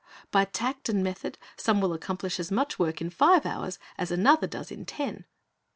By tact and method, some will accomplish as much work in five hours as another does in ten.